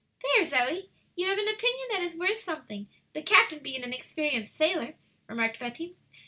"There, Zoe, you have an opinion that is worth something, the captain being an experienced sailor," remarked Betty.